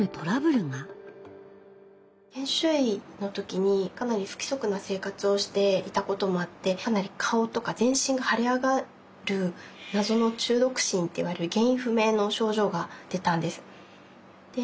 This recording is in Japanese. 研修医の時にかなり不規則な生活をしていたこともあって顔とか全身が腫れ上がる謎の中毒疹って言われる原因不明の症状が出たんです。